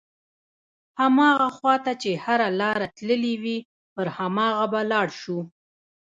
هماغه خواته چې هره لاره تللې وي پر هماغه به لاړ شو.